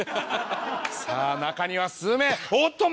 さあ中には数名おっと！